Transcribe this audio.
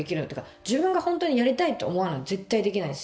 自分が本当にやりたいと思わな絶対できないし。